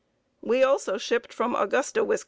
We also shipped from Augusta, Wis.